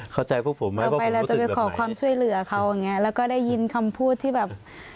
เข้าใจพวกผมอ่ะต่อไปเราจะไปขอความช่วยเหลือเขาอย่างเงี้แล้วก็ได้ยินคำพูดที่แบบ